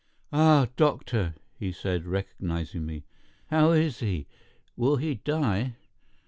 "Ah, doctor!" he said, recognizing me. "How is he? Will he die?"